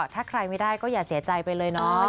ถ้าใครไม่ได้ก็อย่าเสียใจไปเลยเนาะ